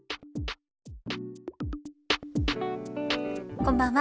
こんばんは。